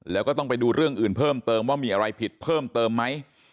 แล้วก็ต้องไปดูเรื่องอื่นเพิ่มเติมว่ามีอะไรผิดเพิ่มเติมไหม